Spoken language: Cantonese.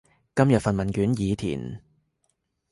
今日份問卷已填